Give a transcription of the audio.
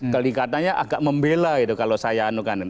kali katanya agak membelai kalau saya anugerkan